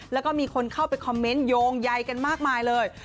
แล้วก็มีคนเข้าไปคอมเมนต์โยงใยกันมากมายเลย